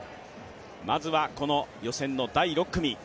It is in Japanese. まずはこの予選の第６組。